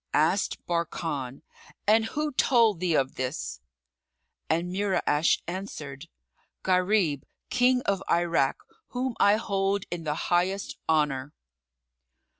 Asked Barkan, "And who told thee of this?"; and Mura'ash answered, "Gharib, King of Irak, whom I hold in the highest honour."